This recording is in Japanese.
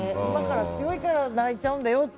強いから泣いちゃうんだよって。